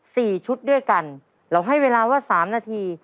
สี่ชุดด้วยกันเราให้เวลาว่าสามนาที